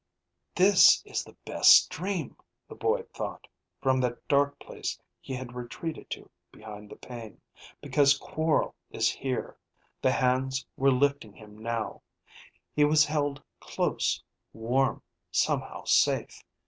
This is the best dream, the boy thought, from that dark place he had retreated to behind the pain, because Quorl is here. The hands were lifting him now, he was held close, warm, somehow safe.